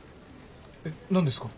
えっ何ですか？